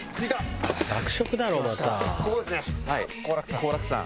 香楽さん。